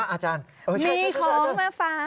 อาจารย์โฉกมาฟัง